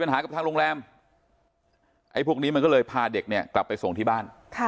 ถามตัวชาติกับรงแรมพวกนี้มันก็เลยพาเด็กเนี่ยกลับไปส่งที่บ้าน